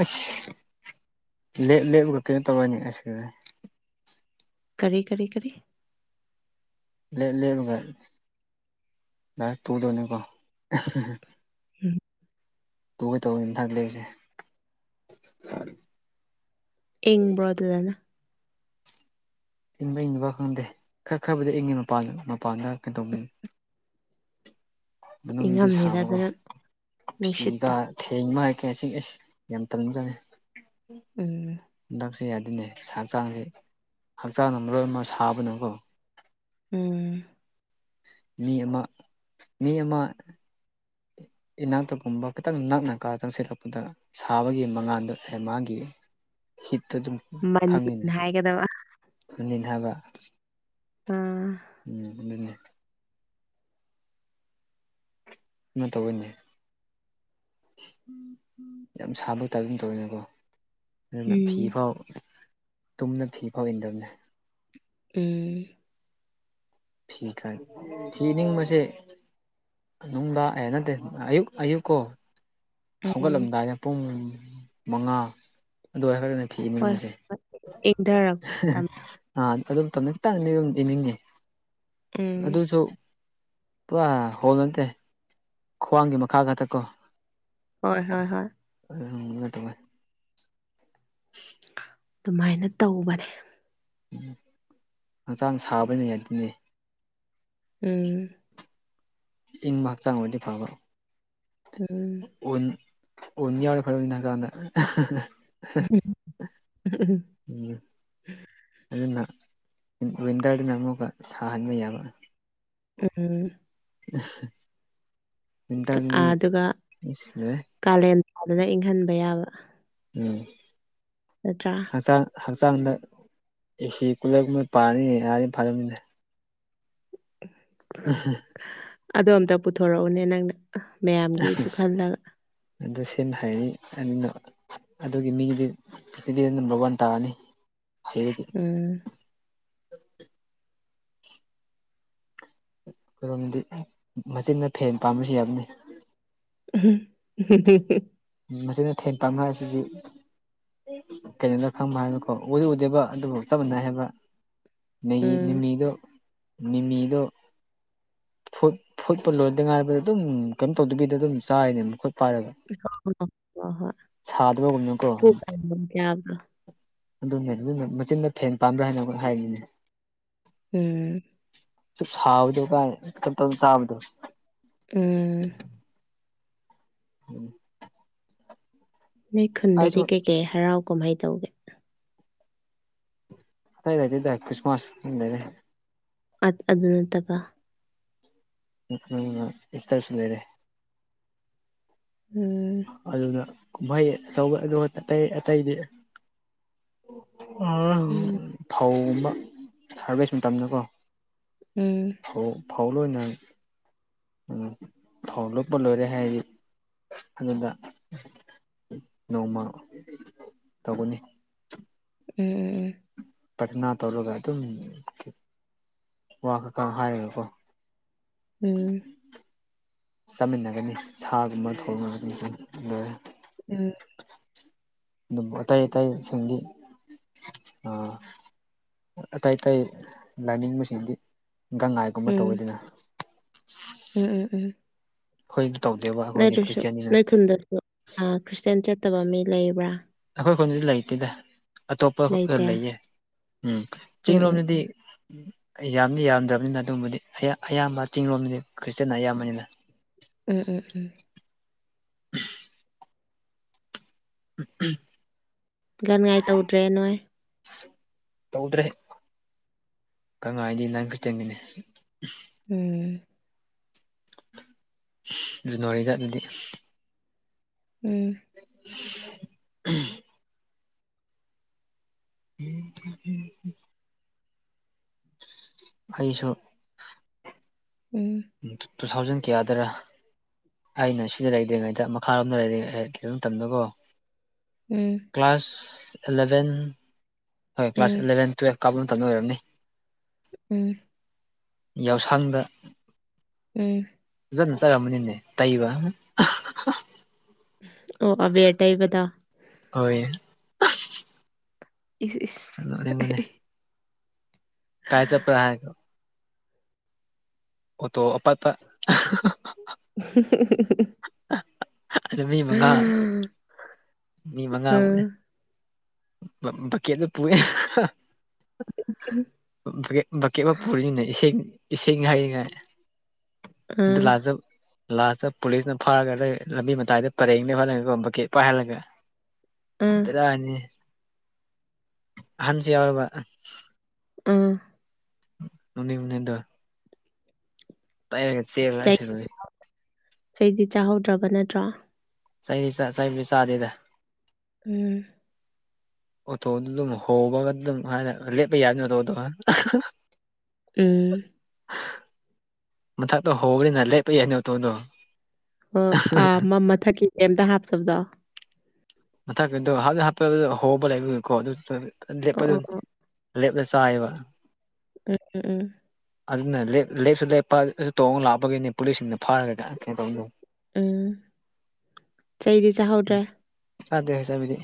ꯑꯩꯁ ꯂꯦꯞ ꯂꯦꯞꯂꯒ ꯀꯩꯅꫭ ꯇꯧꯔꯅꯤ ꯑꯁꯤ [unintelligible] ꯀꯔꯤ ꯀꯔꯤ ꯀꯔꯤ ꯂꯦ ꯂꯦꯞꯂꯒ ꯂꯥꯏꯁꯇ ꯇꯨꯗꯣꯏꯅꯤꯀꯣ ꯎꯝ ꯇꯨꯒꯦ ꯇꯧꯕꯅꯤ ꯅꯟꯊꯛ ꯂꯩꯔꯤꯁꯦ ꯏꯪꯕ꯭ꯔꯣ ꯑꯗꯨꯗꯅ ꯏꯪꯕ ꯏꯪꯗꯕ ꯈꯪꯗꯦ ꯈꯔ ꯈꯔꯕꯨꯗꯤ ꯏꯪꯉꯦ ꯃꯄꯥꯟꯗ ꯃꯄꯥꯟꯗ ꯀꯩꯗꯧꯅꯤ ꯃꯅꯨꯡꯗꯤ ꯏꯪꯉꯝꯅꯤꯗ ꯁꯥꯕꯒꯣ ꯑꯗꯨꯅ ꯐꯤꯗ ꯅꯨꯡꯁꯤꯠꯇꯣ ꯊꯦꯡꯕ ꯍꯥꯏꯀꯦ ꯑꯁꯤ ꯑꯁ ꯌꯥꯝ ꯇꯟꯕ ꯖꯠꯅ‌ꯦ ꯎꯝ ꯍꯟꯗꯛꯁꯦ ꯌꯥꯗ‌ꯦꯅꯦ ꯍꯛꯆꯥꯡꯁꯦ ꯍꯛꯆꯥꯡꯅ ꯃꯔ‌ꯦꯜ ꯑꯃꯀ‌ꯣ ꯁꯥꯕꯅꯦꯀꯣ ꯎꯝ ꯃꯤ ꯑꯃ ꯃꯤ ꯑꯃ ꯏꯅꯥꯛꯇꯒꯨꯝꯕ ꯈꯤꯇꯪ ꯅꯛꯅꯀꯥ ꯆꯪꯁꯤꯜꯂꯨꯕꯗ ꯁꯥꯕꯒꯤ ꯃꯉꯥꯟꯗꯣ ꯃꯥꯒꯤ ꯍꯤꯠꯇꯨ ꯑꯗꯨꯝ ꯃꯟꯅꯤ ꯍꯥꯏꯒꯗꯕ ꯐꯨꯔꯤꯠ ꯑꯊꯥꯕ ꯎꯝ ꯎꯝ ꯑꯗꯨꯅ‌ꯦ ꯃꯥꯏ ꯇꯧꯌ‌ꯦꯅꯦ [unintelligible] ꯌꯥꯝ ꯁꯥꯕꯩ ꯇꯥꯞ ꯑꯗꯨꯝ ꯇꯧꯌ‌ꯦꯅ‌ꯦꯀꯣ ꯑꯗꯨꯅ ꯐꯤ ꯎꯝ ꯐꯥꯎ ꯇꯨꯝꯅ ꯐꯤꯐꯧ ꯏꯟꯗꯕꯅꯦ ꯎꯝ ꯐꯤ ꯈꯥꯏ ꯐꯤ ꯅꯤꯡꯕꯁꯦ ꯅꯨꯡꯗꯥꯡ ꯑꯦ ꯅꯠꯇꯦ ꯑꯌꯨꯛ ꯑꯌꯨꯛ ꯀꯣ ꯎꯝ ꯍꯧꯒꯠꯂꯝꯗꯥꯏꯗ ꯄꯨꯡ ꯃꯉꯥ ꯑꯗꯨꯋꯥꯏ‌ ꯈꯔ ꯍꯣꯏ ꯐꯤꯅꯤꯡꯕꯁꯦ ꯍꯣꯏ ꯏꯪꯊꯔꯛꯄ ꯃꯇꯝ [unintelligible] ꯎꯝ ꯑꯗꯨꯁꯨ ꯄꯨꯔꯥ ꯍꯣꯜ ꯅꯠꯇꯦ ꯈ꯭ꯋꯥꯡꯒꯤ ꯃꯈꯥ ꯈꯛꯇꯀꯣ ꯍꯣꯏ ꯍꯣꯏ ꯍꯣꯏ [unintelligible] ꯑꯗꯨꯃꯥꯏꯅ ꯇꯧꯕꯅꯦ ꯎꯝ ꯍꯛꯆꯥꯡ ꯁꯥꯕꯅ ꯌꯥꯗꯦꯅꯦ ꯎꯝ ꯏꯪꯕ ꯍꯛꯆꯥꯡ ꯑꯣꯏꯔꯗꯤ ꯐꯥꯕ ꯎꯝ ꯎꯟ ꯎꯟ ꯌꯥꯎꯔꯗꯤ ꯐꯗꯧꯅꯤ ꯍꯛꯆꯥꯡꯗ [unintelligible] ꯎꯝ ꯑꯗꯨꯅ ꯋꯤꯟꯇꯔꯗꯨꯅ ꯑꯃꯨꯛꯀ ꯁꯥꯍꯟꯕ ꯌꯥꯕ ꯎꯝ ꯋꯤꯟꯇꯔ ꯗꯗꯤ ꯑꯤꯏ ꯑꯗꯨꯒ ꯂ‌ꯣꯏꯔ‌ꯦ ꯀꯥꯂꯦꯟ ꯊꯥꯗꯅ ꯏꯪꯍꯟꯕ ꯌꯥꯕ ꯎꯝ ꯅꯠꯇꯔꯥ ꯍꯛꯆꯥꯡ ꯍꯛꯆꯥꯡꯗ ꯑꯦꯁꯤ ꯀꯨꯂꯔꯒꯨꯝꯕ ꯄꯥꯟꯅꯤ ꯍꯥꯏꯗꯤ ꯐꯥꯗꯧꯅꯤ [unintelligible] [unintelligible] ꯑꯗꯣ ꯑꯝꯇ ꯄꯨꯊꯣꯔꯛꯎꯅꯦ ꯅꯪꯅ ꯃꯌꯥꯝꯒꯤꯁꯨ ꯈꯜꯂꯒ ꯑꯗꯨ ꯁꯦꯟ ꯍꯥꯢꯔꯤ [unintelligible] ꯑꯗꯨꯒꯤ ꯃꯤꯒꯤꯗꯤ ꯄ꯭ꯔꯤꯊꯤꯕꯤꯗ ꯅꯝꯕꯔ ꯋꯥꯟ ꯇꯥꯔꯅꯤ ꯍꯩꯔꯗꯤ ꯎꯝ ꯑꯩꯈꯣꯢꯔꯣꯝꯗꯤ ꯃꯆꯤꯟꯅ ꯐꯦꯟ ꯄꯥꯝꯕꯁꯨ ꯌꯥꯕꯅꯤ [unintelligible] ꯃꯆꯤꯟꯗ ꯐꯦꯟ ꯄꯥꯟꯕ ꯍꯥꯢꯁꯤꯗꯤ ꯀꯩꯅꯣꯅ ꯈꯪꯕ ꯍꯥꯏꯔꯛꯑꯣꯀꯣ ꯎꯗꯤ ꯎꯗꯦꯕ ꯑꯗꯨꯕꯨ ꯆꯞ ꯃꯥꯟꯅꯩ ꯍꯥꯏꯕ ꯃꯦꯒꯤ ꯎꯝ ꯃꯤꯃꯤꯗꯣ ꯃꯤꯃꯤꯗꯣ ꯐꯨꯠ ꯐꯨꯠꯄ ꯂꯣꯏꯗꯉꯥꯢꯕꯗꯨ ꯑꯗꯨꯝ ꯀꯩꯝ ꯇꯧꯗꯕꯤꯗ ꯑꯗꯨꯝ ꯆꯥꯏꯅꯦ ꯃꯈꯨꯠ ꯄꯥꯏꯔꯒ [unintelligible] ꯍꯣꯏ ꯁꯥꯗꯕꯒꯨꯝꯅꯀꯣ ꯍꯣꯢ [unintelligible] ꯑꯗꯨꯅꯦ ꯑꯗꯨꯅ ꯃꯆꯤꯟꯗ ꯐꯦꯟ ꯄꯥꯟꯕ꯭ꯔꯥ ꯍꯥꯏꯅ ꯑꯈꯣꯢ ꯍꯥꯏꯔꯤꯅꯦ ꯎꯝ ꯁꯨꯛ ꯁꯥꯕꯗꯣ ꯀꯥꯏ ꯇꯞ ꯇꯞꯅ ꯆꯥꯕꯗꯣ ꯎꯝ ꯎꯝ ꯅꯣꯏ ꯑꯩꯁꯨ ꯈꯨꯟꯗꯗꯤ ꯀꯩ ꯀꯩ ꯍꯔꯥꯎ ꯀꯨꯝꯍꯩ ꯇꯧꯒꯦ ꯑꯇꯩ ꯂꯩꯇꯦꯗꯥ ꯈ꯭ꯔꯤꯁꯃꯥꯁꯇꯨꯝ ꯂꯩꯔꯦ ꯑꯗꯨ ꯅꯠꯇꯕ ꯃꯊꯪꯅ ꯏꯁꯇꯔꯁꯨ ꯂꯩꯔꯦ ꯎꯝ ꯑꯗꯨꯅ ꯀꯨꯝꯍꯩ ꯑꯆꯧꯕ ꯑꯗꯨ ꯑꯇꯩ ꯑꯇꯩꯗꯤ ꯎꯝ ꯐꯧ ꯑꯃ ꯍꯥꯔꯚꯦꯁ ꯃꯇꯝꯗꯀꯣ ꯎꯝ ꯐꯧ ꯐꯧ ꯂꯣꯢꯅ ꯐꯧ ꯂꯣꯛꯄ ꯂꯣꯏꯔꯦ ꯍꯥꯏꯗꯤ ꯑꯗꯨꯗ ꯅꯣꯡꯃ ꯇꯧꯒꯅꯤ ꯎꯝ ꯎꯝ ꯎꯝ ꯄ꯭ꯔꯥꯊꯅꯥ ꯇꯧꯔꯒ ꯑꯗꯨꯝ ꯋꯥ ꯈꯥꯀꯥ ꯍꯥꯏꯔꯒꯀꯣ ꯎꯝ ꯆꯥꯃꯤꯟꯅꯒꯅꯤ ꯁꯥꯒꯨꯝꯕ ꯊꯣꯡꯉꯒꯅꯤ ꯑꯗꯨꯝ ꯂꯣꯏꯔꯦ ꯎꯝ ꯑꯗꯨꯝ ꯑꯇꯩ ꯑꯇꯩꯁꯤꯡꯗꯤ ꯑꯥ ꯑꯇꯩ ꯑꯇꯩ ꯂꯥꯏꯅꯤꯡꯕꯁꯤꯡꯗꯤ ꯎꯝ ꯒꯪꯉꯥꯏꯒꯨꯝꯕ ꯇꯧꯋꯤꯗꯅ ꯎꯝ ꯎꯝ ꯎꯝ ꯑꯩꯈꯣꯏꯗꯤ ꯇꯧꯗꯦꯕ ꯑꯩꯈꯣꯏꯗꯤ ꯅꯠꯇ꯭ꯔꯁꯨ ꯈ꯭ꯔꯤꯁꯇꯤꯌꯥꯅꯤꯅ ꯅꯣꯢ ꯈꯨꯨꯟꯗꯁꯨ ꯈ꯭ꯔꯤꯁꯇꯦꯟ ꯆꯠꯇꯕ ꯃꯤ ꯂꯩꯕ꯭ꯔꯥ ꯑꯩꯈꯣꯏ ꯈꯨꯟꯗꯤ ꯂꯩꯇꯦꯗ ꯑꯇꯣꯞꯄ ꯈꯨꯟꯗ ꯂꯩꯇꯦ ꯂꯩꯌꯦ ꯎꯝ ꯆꯤꯡ ꯎꯝ ꯎꯝ ꯂꯣꯝꯗꯗꯤ ꯑꯩ ꯌꯥꯝꯗꯤ ꯌꯥꯝꯗ꯭ꯔꯕꯅꯤꯅ ꯑꯗꯨꯕꯨꯗꯤ ꯑꯌꯥꯝꯕ ꯆꯤꯡꯡꯂꯣꯝꯗꯗꯤ ꯈ꯭ꯔꯤꯁꯇꯦꯟꯅ ꯑꯌꯥꯝꯕꯅꯤꯅ ꯎꯝ ꯎꯝ ꯎꯝ ꯑꯝ ꯎ ꯎꯝ [inaudible] ꯒꯥꯟꯉꯥꯏ ꯇꯧꯗ꯭ꯔꯦ ꯅꯣꯏ ꯇꯧꯗ꯭ꯔꯦ ꯒꯥꯟꯉꯥꯢꯗꯤ ꯅꯪ [unintelligible] ꯎꯝ ꯖꯥꯅꯋꯥꯔꯤꯗ ꯑꯗꯨꯗꯤ ꯎꯝ [unintelligible] [unintelligible] ꯍꯩꯁꯨ ꯎꯝ ꯇꯨ ꯊꯥꯎꯖꯟ ꯀꯌꯥꯗꯔꯥ ꯑꯩꯅ ꯁꯤꯗ ꯂꯩꯗ꯭ꯔꯤꯉꯩꯗ ꯃꯈꯥꯔꯣꯝꯗ ꯂꯩ ꯃꯇꯝꯗꯀꯣ ꯎꯝ ꯀ꯭ꯂꯥꯁ ꯑꯦꯂꯚꯦꯟ ꯍꯣꯏ ꯀ꯭ꯂꯥꯁ ꯎꯝ ꯑꯦꯂꯚꯦꯟ ꯇꯨꯌꯦꯜꯞ ꯀꯥꯕ ꯃꯇꯝꯗ ꯑꯣꯏꯔꯝꯅꯤ ꯎꯝ ꯌꯥꯎꯁꯪꯗ ꯎꯝ ꯐꯖꯅ ꯆꯠꯅꯔꯝꯅꯤꯅꯦ ꯇꯩꯕ ꯑꯣ ꯑꯕꯦꯔ ꯇꯩꯕꯗꯣ ꯍꯣꯏ ꯏꯁ ꯏꯁ ꯅꯣꯛꯅꯤꯡꯕꯅꯦ ꯀꯥꯏ ꯆꯠꯕꯔꯥ ꯍꯥꯏꯗꯣ ꯑꯣꯇꯣ ꯑꯄꯥꯠꯕ [inaudible] ꯑꯗꯨ ꯃꯤ ꯃꯉꯥ ꯃꯤ ꯃꯉꯥ ꯑꯥ ꯃꯨꯛꯅꯦ ꯕꯥꯛꯀꯦꯠꯇ ꯄꯨꯑꯦ ꯕꯀꯦꯠ ꯑꯃ ꯄꯨꯔꯤꯅꯦ ꯏꯁꯤꯡ ꯍꯩꯔꯤꯉꯥꯏ ꯑꯗꯨ ꯑꯥ ꯂꯥꯁꯇ ꯂꯥꯁꯇ ꯄꯨꯂꯤꯁꯅ ꯐꯥꯔꯒ ꯂꯝꯕꯤ ꯃꯇꯥꯏꯗ ꯄꯔꯦꯡ ꯍꯜꯍꯥꯜꯂꯒꯕ ꯕꯀꯦꯠ ꯄꯥꯏꯍꯜꯂꯒ ꯎꯝ ꯕꯦꯔꯅꯤ ꯑꯍꯥꯟꯁꯨ ꯌꯥꯎꯑꯦꯕ ꯎꯝ ꯅꯣꯛꯅꯤꯡꯕꯅꯦ ꯑꯗꯣ ꯇꯩꯔꯒ ꯆꯦꯜꯕ ꯆꯩ ꯑꯁ ꯂꯣꯢꯔꯦ ꯆꯩꯗꯤ ꯆꯥꯍꯧꯗ꯭ꯔꯕ ꯅꯠꯇ꯭ꯔꯣ ꯆꯩ ꯆꯩꯗꯤ ꯆꯥꯗꯦꯗ ꯎꯝ ꯑꯣꯇꯣꯗꯨ ꯑꯗꯨꯝ ꯍꯣꯕꯒ ꯑꯗꯨꯝ ꯍꯥꯏꯅ ꯂꯦꯞꯄ ꯌꯥꯗꯦꯗꯅ ꯑꯣꯇꯣꯗꯣ ꯎꯝ ꯑ ꯃ ꯑ ꯑꯗꯨ ꯍꯣꯅ ꯅ ꯂꯩ ꯄꯩꯅꯧ ꯇꯣ ꯑꯣ ꯑꯥ ꯃ ꯃꯊꯛꯀꯤ ꯀꯩꯝꯇ ꯍꯥꯞꯇꯕꯗꯣ ꯃꯊꯛ ꯀꯗꯣ ꯍꯥꯞ ꯍꯥꯞꯄ ꯍꯣꯕ ꯂꯩꯀꯣ ꯑꯗꯨ ꯂꯦꯞꯄ ꯑꯗꯨ ꯑꯣ ꯑꯣ ꯑꯣ ꯑꯂꯦꯕꯁꯥꯏꯕ ꯎꯝ ꯎꯝ ꯎꯝ ꯑꯗꯨꯅ ꯂ ꯂꯦꯞꯁꯨ ꯂꯦꯞꯄ ꯑꯗꯨ ꯇꯣꯡꯅ ꯂꯥꯛꯞꯄꯒꯤꯅꯦ ꯄꯨꯂꯤꯁꯁꯤꯡꯅ ꯐꯥꯔꯒꯗꯤ ꯀꯩꯅꯣ ꯇꯧ ꯎꯝ ꯆꯩꯗꯤ ꯆꯥꯍꯧꯗ꯭ꯔꯦ ꯁꯥꯗꯦ ꯍꯥꯏꯁꯕꯤꯗꯤ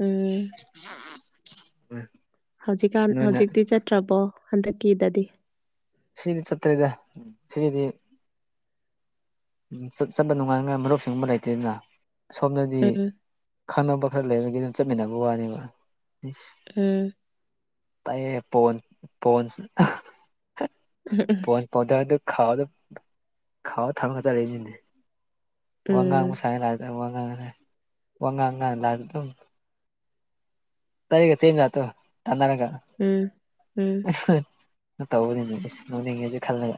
ꯎꯝ ꯍ [inaudible] ꯍꯧꯖꯤꯛꯀꯥꯟ ꯍꯧꯖꯤꯛꯇꯤ ꯆꯠꯇ꯭ꯔꯕꯣ ꯍꯟꯗꯛꯀꯤꯗꯗꯤ ꯁꯤꯔꯤꯗꯤ ꯆꯠꯇꯔꯦꯗ ꯁꯤꯔꯤꯗꯤ ꯆꯠꯄ ꯅꯨꯡꯉꯥꯏꯅꯉꯥꯏ ꯃꯔꯨꯞꯁꯤꯡꯒꯨꯝꯕ ꯂꯩꯇꯦꯗꯅ ꯁꯣꯝꯗꯗꯤ ꯎꯝ ꯈꯪꯅꯕ ꯈꯔ ꯂꯩꯕꯒꯤ ꯑꯗꯨ ꯆꯠꯃꯤꯟꯅꯕ ꯋꯥꯅꯦꯕ ꯎꯝ ꯕꯥꯢꯌꯦ ꯕꯣꯜ ꯕꯣꯜ ꯎꯝ ꯎꯝ ꯄꯥꯎꯗꯔ ꯗꯣ ꯈꯥꯎꯗ ꯊꯥꯝꯃ ꯆꯠꯂꯤꯅꯦ ꯋꯥꯉꯥꯡ ꯎꯝ ꯃ ꯁꯥꯏ ꯂꯥꯛ ꯋꯥꯉꯥꯡꯁꯦ ꯋꯥ ꯉꯥꯡꯒꯥꯡ [inaudible] ꯂꯗ ꯑꯗꯨꯝ ꯇꯔꯀ ꯁꯦꯝꯣ ꯆꯥꯟꯅꯅ ꯀ ꯎꯝ ꯎꯝ ꯇꯧꯕꯅꯤꯅꯦ ꯏꯁ ꯅꯧꯅꯤꯡꯉꯦꯁꯨ ꯈꯜꯂꯦ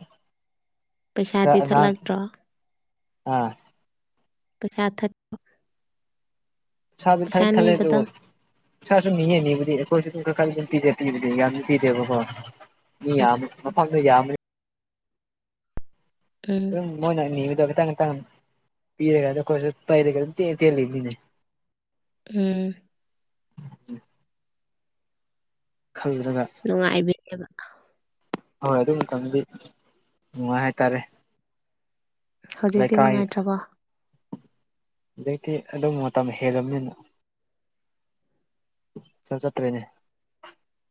ꯀ ꯄꯩꯁꯥꯗꯤ ꯅꯥꯟ ꯊꯠꯂꯛꯇ꯭ꯔꯣ ꯑꯥ ꯄꯩꯁꯥ ꯊꯠꯄ ꯁ ꯊꯦ ꯊꯂꯦ ꯑꯗꯨ ꯅꯤꯕꯗꯣ ꯄꯥꯁꯨ ꯌꯦ ꯅꯤꯕꯨꯗꯤ ꯑꯩꯈꯣꯏꯁꯨ ꯑꯗꯨꯝ ꯈꯔ ꯈꯔ ꯑꯗꯨꯝ ꯄꯤꯗꯦ ꯄꯤꯕꯗꯤ ꯌꯥꯝ ꯄꯤꯗꯦꯕꯀꯣ ꯃꯤ ꯎꯝ ꯌꯥꯝꯕ ꯃꯐꯝꯗ ꯌꯥꯝꯕ ꯎꯝ ꯑꯗꯨꯝ ꯃꯣꯏꯅ ꯅꯤꯕꯗꯣ ꯈꯤꯇꯪꯅ ꯇꯅ ꯄꯤꯔꯒ ꯈꯠ ꯄꯩꯔꯒ ꯑꯗꯨꯝ ꯆꯦꯜꯂꯤ ꯃꯤꯅꯦ ꯎꯝ ꯈꯜꯂꯒ ꯅꯨꯡꯉꯥꯏꯕꯅꯦꯕ ꯍꯣꯏ ꯑꯗꯨ ꯃꯇꯝꯗꯤ ꯅꯨꯡꯉꯥꯏ ꯍꯥꯏꯇꯥꯔꯦ ꯍꯧꯖꯤꯛꯇꯤ ꯂꯩꯀꯥꯏ ꯅꯨꯡꯉꯥꯏꯇ꯭ꯔꯕꯣ ꯍꯧꯖꯤꯛꯇꯤ ꯑꯗꯨꯝ ꯃꯇꯝ ꯍꯦꯜꯂꯕꯅꯤꯅ ꯁ ꯆꯠꯇ꯭ꯔꯦꯅꯦ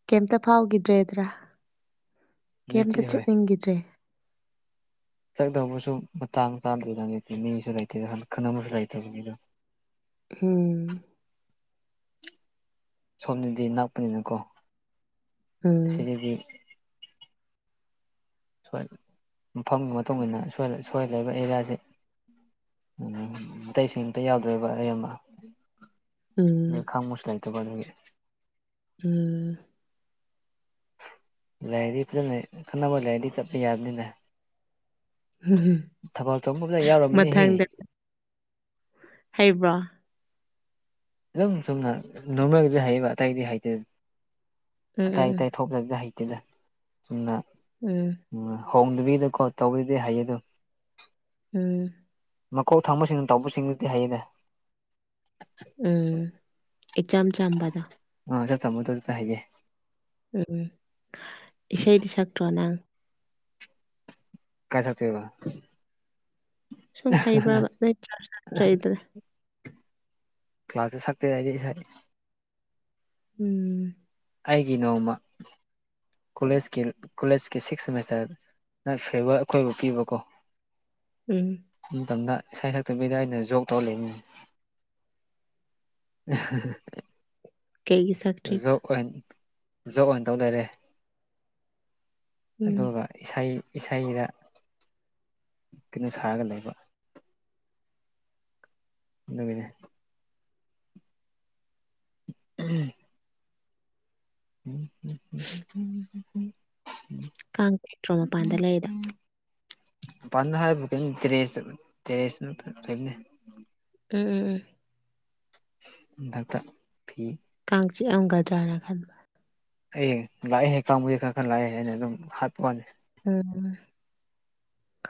ꯀꯩꯝꯇ ꯐꯥꯎꯈꯤꯗ꯭ꯔꯦꯗ꯭ꯔꯥ ꯀꯩꯝꯇ ꯍꯧꯖꯤꯛꯇꯤ ꯍꯣꯏ ꯆꯠꯅꯤꯡꯈꯤꯗ꯭ꯔꯦ ꯆꯠꯗꯧꯕꯁꯨ ꯃꯇꯥꯡ ꯆꯥꯗ꯭ꯔꯦꯗ ꯅꯠꯇꯦ ꯃꯤꯁꯨ ꯂꯩꯇꯦꯗꯟ ꯈꯟꯅꯕꯁꯨ ꯂꯩꯇꯕꯅꯤꯗ ꯍꯝ ꯁꯣꯝꯅꯗꯤ ꯅꯛꯄꯅꯤꯅꯀꯣ ꯎꯝ ꯑꯁꯤꯒꯤꯗꯤ ꯃꯐꯝꯒꯤ ꯃꯇꯨꯡ ꯃꯇꯨꯡꯏꯟꯅ ꯁꯣꯏ ꯂꯩꯕ ꯑꯦꯔꯤꯌꯥꯁꯤ ꯎꯝ ꯑꯇꯩꯁꯤꯡ ꯑꯝꯇ ꯌꯥꯎꯗꯣꯏꯕ ꯑ ꯑꯃ ꯎꯝ ꯑꯗꯨ ꯈꯪ ꯃꯁꯂꯥꯏ ꯇꯒꯦ ꯎꯝ ꯂꯥꯏꯔꯗꯤ ꯐꯖꯅ ꯈꯟꯅꯕ ꯂꯩꯥꯏꯔꯗꯤ ꯆꯠꯄ ꯌꯥꯕꯅꯤꯅ ꯊꯕꯥꯛ ꯆꯣꯐꯗ ꯌꯥꯎꯔꯝꯔꯕꯅꯤꯍꯦ ꯃꯊꯪꯗ ꯍꯩꯕ꯭ꯔꯣ ꯑꯗꯨꯝ ꯁꯨꯝꯝꯅ ꯅꯣꯔꯃꯦꯜꯒꯤꯗꯤ ꯍꯥꯏꯕ ꯑꯇꯩꯗꯤ ꯍꯥꯏꯇꯦ ꯑ ꯎꯝ ꯑ ꯊꯣꯛꯂꯒꯗ ꯍꯩꯇꯗ ꯆꯨꯝꯅ ꯎꯝ ꯎꯝ ꯍꯣꯡꯗꯕꯤꯗꯀꯣ ꯇꯧꯕꯗꯤ ꯍꯩꯌꯦ ꯑꯗꯨ ꯎꯝ ꯃꯀꯧ ꯊꯥꯡꯕꯁꯤꯡꯅ ꯇꯧꯕꯁꯤꯡꯗꯨꯗꯤ ꯍꯩꯅꯦ ꯎꯝ ꯏꯆꯝ ꯆꯝꯕꯗꫭ ꯎꯝ ꯏꯆꯝꯕꯗꯨꯗ ꯍꯩꯌꯦ ꯎꯝ ꯏꯁꯩꯗꯤ ꯁꯛꯇ꯭ꯔꯣ ꯅꯪ ꯀꯥꯏ ꯁꯛꯇꫭꯏꯕ ꯁꯨꯝ ꯍꯩꯕꯔꯕ ꯅꫭꯏ ꯆꯔꯁ ꯌꯥꯝ ꯆꯠꯂꯨꯗꯅ ꯀꯂ꯭ꯥꯁꯇ ꯁꯛꯇꯦ ꯑꯩꯗꯤ ꯏꯁꯩ ꯎꯝ ꯑꯩꯒꯤ ꯅꯣꯡꯃ ꯀꯣꯂꯦꯖꯀꯤ ꯀꯣꯂꯦꯖꯀꯤ ꯁꯤꯛꯁ ꯁꯦꯃꯤꯁꯇꯔ ꯅꯪ ꯐ꯭ꯂꯦꯕꯔ ꯑꯩꯈꯣꯏꯕꯨ ꯄꯤꯕꯀꯣ ꯎꯝ ꯃꯇꯝꯗ ꯏꯁꯥ ꯁꯛꯇꯕꯤꯗ ꯑꯩꯅ ꯖꯣꯛ ꯇꯧꯔ ꯂꯩꯅꯤ [unintelligible] ꯀꯩꯒꯤ ꯆꯥ ꯖꯣꯕ ꯖꯣꯕ ꯑꯣꯏꯅ ꯇꯧ ꯂꯩꯔꯦ ꯎꯝ ꯑꯗꯨꯒ ꯏꯁꯩ ꯏꯁꯩꯗ ꯀꯩꯅꯣ ꯁꯥꯔꯒ ꯂꯩꯕ ꯑꯗꯨꯒꯤꯅꯦ ꯎꯝ [unintelligible] [inaudible] [unintelligible] ꯎꯝꯝ ꯎꯝ ꯀꯥꯡ ꯆꯤꯛꯇ꯭ꯔꯣ ꯃꯄꯥꯟꯗ ꯂꯩꯔꯤꯗꯣ ꯎꯝ [unintelligible] ꯄꯥꯅꯥ ꯍꯥꯏꯕ ꯗꯔ꯭ꯦꯁꯇ ꯗꯔ꯭ꯦꯁ ꯇꯅꯦ ꯎꯝꯎꯝ ꯎꯝ ꯊꯛꯇ ꯐꯤ ꯀꯥꯡ ꯆꯤꯛꯑꯝꯒꯗ꯭ꯔꯥꯅ ꯈꯟꯕ ꯑꯩꯌꯦꯡ ꯂꯥꯛꯑꯦ ꯍꯦꯛ ꯀꯥꯡꯕꯨꯗꯤ ꯈꯔ ꯈꯔ ꯂꯥꯛꯑꯦ ꯍꯥꯏꯅ ꯑꯗꯨꯝ ꯍꯥꯠꯄ ꯋꯥꯅꯤ ꯎꯝ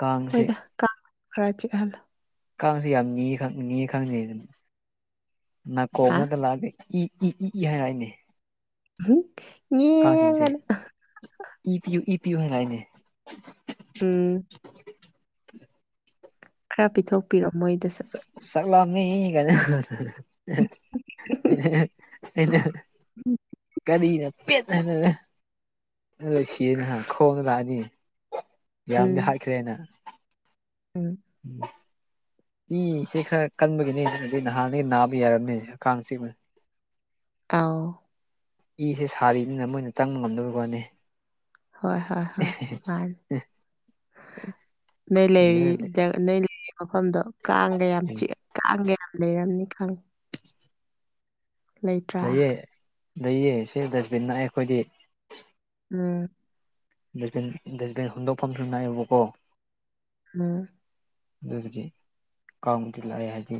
ꯀꯥꯡꯁꯦ ꯍꯣꯏꯗꯥ ꯀꯥꯡ ꯈꯔ ꯆꯤꯛꯍꯜꯂꯣ ꯀꯥꯡꯁꯤ ꯌꯥꯝ ꯅꯤ ꯈꯪ ꯅꯤꯈꯪꯅꯦꯗꯨꯅ ꯍꯥ ꯅꯥꯀꯣꯡꯗꯇ ꯂꯥꯛꯄꯦ ꯏ ꯏ ꯏ ꯏ ꯍꯥꯏꯔꯏꯅꯦ ꯎꯝ ꯀꯥꯁꯤꯡꯁꯦ ꯌꯦꯡꯒꯅꯨ ꯏ ꯄꯤꯌꯨ ꯏ ꯄꯤꯌꯨ ꯍꯥꯏꯅ ꯍꯥꯏꯅꯦ ꯎꯝ ꯈꯔ ꯄꯤꯊꯣꯛꯄꯤꯔꯣ ꯃꯣꯏꯗ ꯆꯥꯛ ꯂꯥꯝꯃꯦ ꯀꯥꯏꯅ ꯑꯩꯅ ꯀꯔꯤꯅ ꯄꯦꯠ ꯊꯥꯖꯤꯜꯂꯦ ꯑꯗꯨꯗ ꯁꯤꯔꯦꯅꯦꯍꯥ ꯈꫭꯡꯉ ꯂꯥꯛꯑꯗꯤ ꯌꯥꯝꯗꯤ ꯎꯝ ꯍꯥꯠꯈ꯭ꯔꯦ ꯑꯩꯅ ꯎꯝ ꯎꯝ [unintelligible] ꯏ ꯁꯦ ꯈꯔ ꯀꯟꯕꯒꯤꯅꯦ ꯅꯠꯇꯔꯗꯤ ꯅꯍꯥꯟꯗꯒꯤ ꯅꯥꯕ ꯌꯥꯔꯝꯅꯩ ꯀꯥꯡꯆꯤꯛ ꯑꯧ ꯏꯁꯦ ꯁꯥꯔꯤꯕꯅꯤꯅ ꯃꯣꯏꯅ ꯆꯪꯕ ꯉꯝꯗꯕꯩ ꯋꯥꯅꯦ ꯍꯣꯏ ꯍꯣꯏ ꯍꯣꯏ ꯃꯥꯅꯤ ꯅꯣꯏ ꯂꯩꯔꯤꯗꫭ ꯅꯣꯏ ꯂꯩꯔꯤ ꯃꯐꯝꯗꯣ ꯀꯥꯡꯒ ꯌꯥꯝ ꯆꯤꯛ ꯀꯥꯡꯒ ꯌꯥꯝ ꯂꯩꯔꯝꯅꯤ ꯈꯪꯉꯦ ꯂꯩꯌꯦ ꯂꯩꯌꯦ ꯁꯦ ꯗꯁꯕꯤꯟ ꯅꯛꯑꯦ ꯑꯩꯈꯣꯏꯗꯤ ꯎꯝ ꯗꯁꯕꯤꯟ ꯗꯁꯕꯤꯟ ꯍꯨꯟꯗꯣꯛꯐꯝꯁꯨ ꯅꯛꯑꯦꯕꯀꯣ ꯎꯝ ꯑꯗꯨꯕꯨꯗꯤ ꯀꯥꯝꯒꯤ ꯂꯥꯛꯑꯦ ꯍꯥꯏꯗꯤ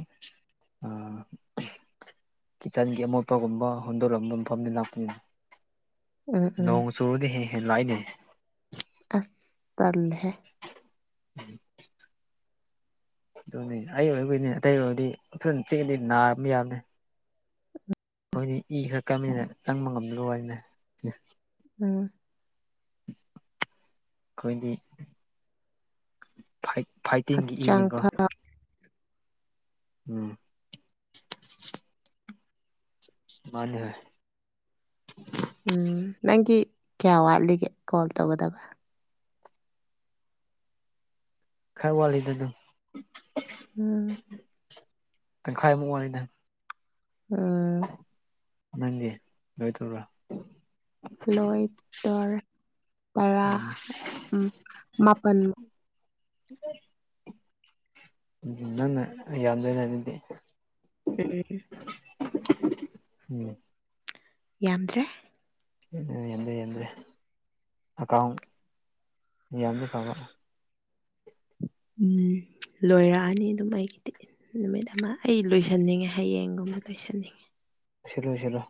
ꯀꯤꯠꯆꯟꯒꯤ ꯑꯃꯣꯠꯄꯒꯨꯝꯕ ꯍꯨꯟꯗꯣꯔꯝꯕ ꯃꯐꯝꯗꯨ ꯂꯥꯛꯄꯅꯤ ꯎꯝ ꯎꯝ ꯅꯣꯡ ꯆꯨꯔꯗꯤ ꯍꯦ ꯍꯦꯟ ꯂꯥꯛꯏꯅꯦ ꯑꯁ ꯇꯜꯂꯦꯍꯦ [inaudible] ꯑꯗꯨꯅꯦ ꯑꯩ ꯑꯣꯏꯕꯒꯤꯅꯦ ꯑꯇꯩ ꯑꯣꯏꯔꯗꯤ ꯐꯣꯏꯅ ꯆꯦꯡꯗꯤ ꯅꯥꯔ ꯌꯥꯕꯅꯤ ꯑꯩꯈꯣꯏꯗꯤ ꯏ ꯈꯔ ꯀꯃꯤꯅ ꯆꯪꯕ ꯉꯝꯂꯨ [unintelligible] ꯎꯝ ꯑꯩꯈꯣꯏꯗꯤ ꯐꯥꯏ ꯐꯥꯏꯇꯤꯡꯒꯤ ꯍꯛꯆꯥꯡ ꯏꯅꯤꯀꯣ ꯐ ꯎꯝ ꯃꯥꯅꯦ ꯎꯝ ꯅꯪꯒꯤ ꯀꯌꯥ ꯋꯥꯠꯂꯤꯒꯦ ꯀꯣꯜ ꯇꯧꯒꯗꯕ ꯈꯔ ꯋꯥꯠꯂꯤꯗ ꯑꯗꯨꯝ ꯎꯝ ꯇꯪꯈꯥꯏꯃꯨꯛ ꯋꯥꯠꯂꯤꯗ ꯎꯝ ꯅꯪꯒꯤ ꯂꯣꯏ [unintelligible] ꯂꯣꯏꯗꯣꯔꯦ ꯇꯔꯥ ꯎꯝ ꯎꯝ ꯃꯥꯄꯟ ꯎꯝ ꯅꯪꯅ [unintelligible] [inaudible] ꯎꯝ ꯌꯥꯝꯗ꯭ꯔꯦ ꯌꯥꯗ꯭ꯔꯦ ꯌꯤꯗ꯭ꯔꯦ ꯑꯀꯥꯎꯟ ꯌꯥꯝꯗꯤ [unintelligible] ꯎꯝ ꯂꯣꯏꯔꯛꯑꯅꯤ ꯑꯗꯨꯝ ꯑꯩꯒꯤꯗꯤ ꯅꯨꯃꯤꯠ ꯑꯃ ꯑꯩ ꯂꯣꯏꯁꯟꯅꯤꯡꯉꯦ ꯍꯌꯦꯡꯒꯨꯝꯕ ꯂꯣꯏꯁꯟꯅꯤꯡꯉꯦ ꯁꯤꯂꯣ ꯁꯤꯂꯣ